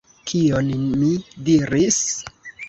Kion mi diris?